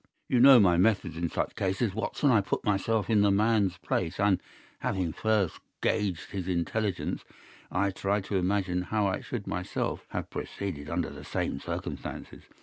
"You know my methods in such cases, Watson. I put myself in the man's place and, having first gauged his intelligence, I try to imagine how I should myself have proceeded under the same circumstances.